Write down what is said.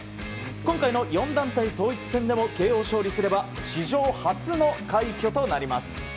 今回の４団体統一戦でもＫＯ勝利すれば史上初の快挙となります。